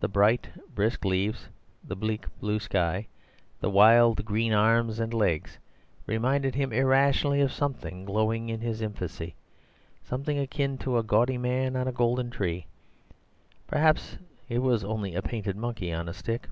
The bright brisk leaves, the bleak blue sky, the wild green arms and legs, reminded him irrationally of something glowing in his infancy, something akin to a gaudy man on a golden tree; perhaps it was only a painted monkey on a stick.